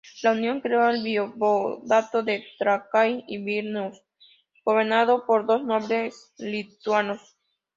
La unión creó el voivodato de Trakai y Vilnius, gobernado por dos nobles lituanos.